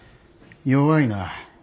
弱いな。